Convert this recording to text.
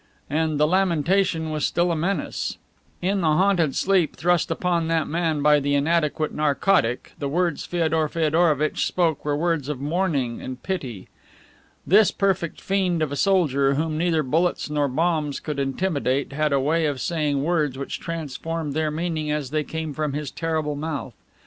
And the lamentation was still a menace. In the haunted sleep thrust upon that man by the inadequate narcotic the words Feodor Feodorovitch spoke were words of mourning and pity. This perfect fiend of a soldier, whom neither bullets nor bombs could intimidate, had a way of saying words which transformed their meaning as they came from his terrible mouth.